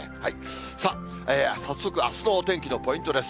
さあ、早速あすのお天気のポイントです。